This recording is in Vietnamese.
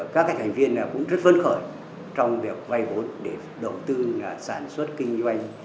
các thành viên cũng rất vấn khởi trong việc vay vốn để đầu tư sản xuất kinh doanh